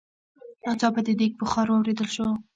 ناڅاپه د ديګ بخار واورېدل شو.